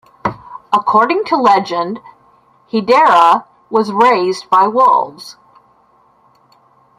According to legend Hidehira was raised by wolves.